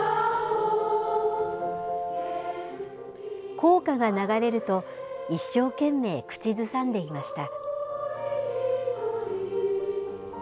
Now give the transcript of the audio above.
校歌が流れると、一生懸命口ずさんでいました。